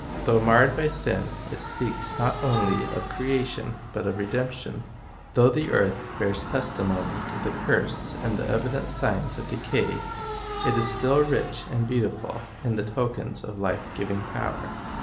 Though marred by sin, it speaks not only of creation but of redemption. Though the earth bears testimony to the curse in the evident signs of decay, it is still rich and beautiful in the tokens of life giving power.